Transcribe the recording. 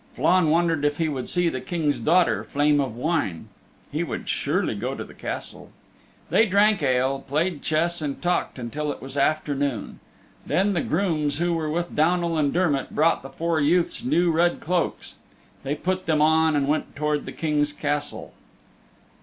Flann wondered if he would see the King's daughter, Flame of Wine. He would surely go to the Castle. They drank ale, played chess and talked until it was afternoon. Then the grooms who were with Downal and Dermott brought the four youths new red cloaks. They put them on and went towards the King's Castle.